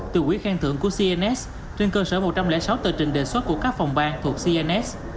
từ quỹ khen thưởng của cns trên cơ sở một trăm linh sáu tờ trình đề xuất của các phòng ban thuộc cns